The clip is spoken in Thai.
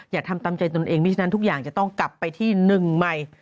อย่าทำตามใจตนเองไม่ฉะนั้นทุกอย่างจะต้องกลับไปที่หนึ่งใหม่